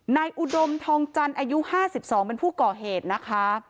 อุดมทองจันทร์อายุ๕๒เป็นผู้ก่อเหตุนะคะ